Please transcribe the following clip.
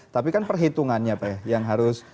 tapi kan perhitungannya yang harus